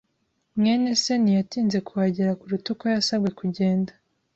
mwene se ntiyatinze kuhagera kuruta uko yasabwe kugenda.